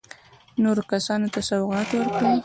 نورو کسانو ته سوغات ورکړ.